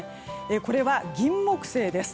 これはギンモクセイです。